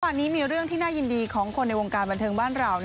วันนี้มีเรื่องที่น่ายินดีของคนในวงการบันเทิงบ้านเรา